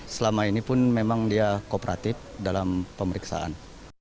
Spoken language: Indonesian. selama ini pun memang dia kooperatif dalam pemeriksaan